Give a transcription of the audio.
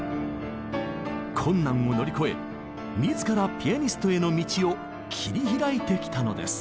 困難を乗り越え自らピアニストへの道を切り開いてきたのです。